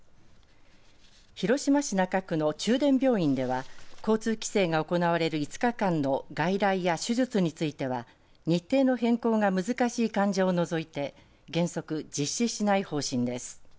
広島市中区の中電病院では交通規制が行われる５日間の外来や手術については日程の変更が難しい患者を除いて原則実施しない方針です。